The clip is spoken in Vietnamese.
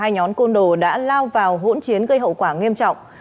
hai nhóm côn đồ đã lao vào hỗn chiến gây hậu quả nghiêm trọng